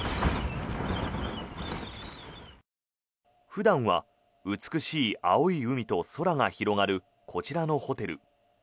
普段は美しい青い海と空が広がるこちらのホテル。